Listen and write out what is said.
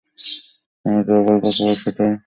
আমি যা বলবো কেবল সেটাই করবে।